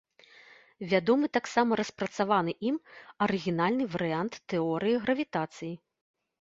Вядомы таксама распрацаваны ім арыгінальны варыянт тэорыі гравітацыі.